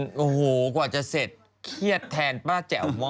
เจ้าก่อจะเสร็จมาเครียดแทนป้าแจ๋ว